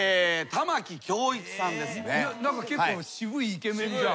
何か結構渋いイケメンじゃん。